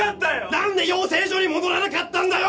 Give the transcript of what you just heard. なんで養成所に戻らなかったんだよ！？